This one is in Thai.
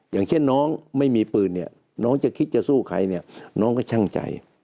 อย่างเช่นน้องไม่มีปืนเนี่ยน้องจะคิดจะสู้ใครเนี่ยน้องก็ช่างใจ